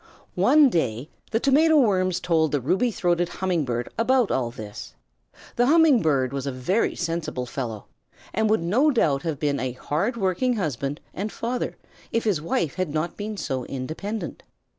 One day the Tomato Worms told the Ruby throated Humming Bird about all this. The Humming Bird was a very sensible fellow, and would no doubt have been a hard working husband and father if his wife had not been so independent.